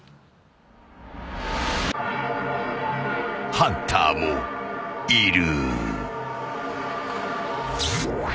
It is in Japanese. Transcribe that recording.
［ハンターもいる］